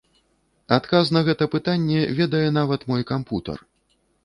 Адказ на гэта пытанне ведае нават мой кампутар.